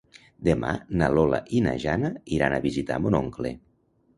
Demà na Lola i na Jana iran a visitar mon oncle.